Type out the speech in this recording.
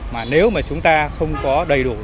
mà nếu mà chúng ta không có đầy đủ